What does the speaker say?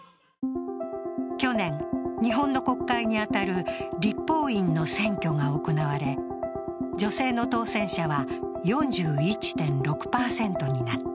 去年、日本の国会に当たる立法院の選挙が行われ、女性の当選者は４１．６％になった。